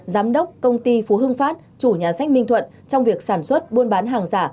giám đốc công ty phú hưng phát chủ nhà sách minh thuận trong việc sản xuất buôn bán hàng giả